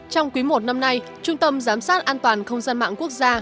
trong quý i năm nay trung tâm giám sát an toàn không gian mạng quốc gia